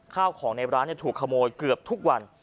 ข้าวของในร้านถูกขโมยเกือบทุกวัน